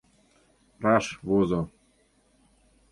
Раш возо.